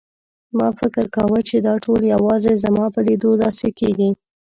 ما فکر کاوه چې دا ټول یوازې زما په لیدو داسې کېږي.